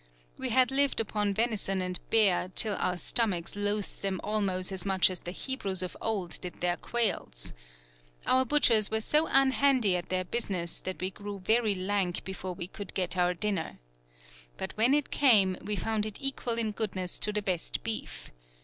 We had lived upon Venison and Bear till our stomachs loath'd them almost as much as the Hebrews of old did their Quails. Our Butchers were so unhandy at their Business that we grew very lank before we cou'd get our Dinner. But when it came, we found it equal in goodness to the best Beef.